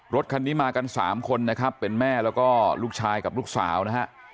รถคันนี้มากันสามคนนะครับเป็นแม่แล้วก็ลูกชายกับลูกสาวนะฮะ